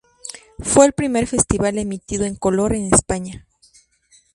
Fue el primer festival emitido en color en España.